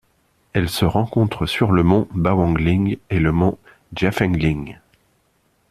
Elle se rencontre sur le mont Bawangling et le mont Jianfengling.